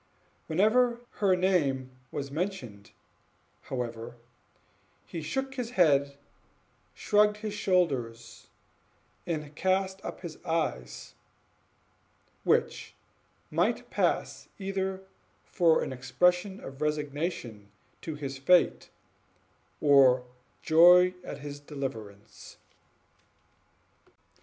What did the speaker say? Whenever her name was mentioned, however, he shook his head, shrugged his shoulders, and cast up his eyes, which might pass either for an expression of resignation to his fate, or joy at his deliverance.